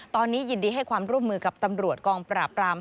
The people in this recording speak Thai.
ตอนนี้ยินดีให้ความร่วมมือกับตำรวจกองปราบราม